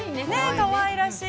かわいらしい。